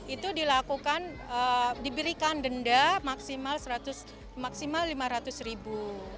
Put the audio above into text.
itu dilakukan diberikan denda maksimal lima ratus ribu